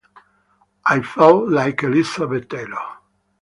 I felt like Elizabeth Taylor.